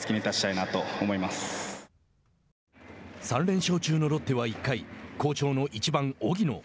３連勝中のロッテは１回好調の１番、荻野。